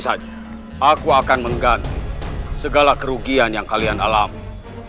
aku akan mengganti segala kerugian yang kalian alami